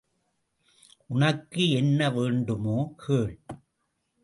உனக்கு என்ன வேண்டுமோ கேள்.